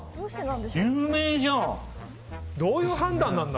有名じゃん！